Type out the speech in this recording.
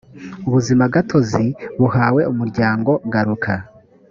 ubuzimagatozi buhawe umuryango garuka